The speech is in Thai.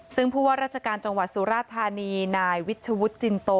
ซึ่งผู้ว่าราชการจังหวัดสุราธานีนายวิชวุฒิจินโต